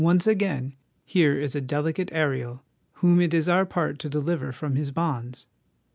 Once again, here is a delicate Ariel whom it is our part to deliver from his bonds.